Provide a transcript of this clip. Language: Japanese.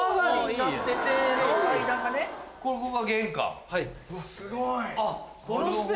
うわすごい。